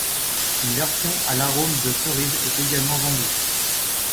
Une version à l'arôme de cerise est également vendue.